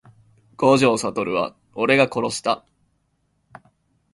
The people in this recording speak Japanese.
五条悟は俺が殺した…